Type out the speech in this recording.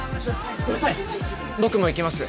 僕も行きます